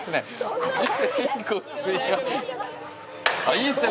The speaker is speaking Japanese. いいっすね。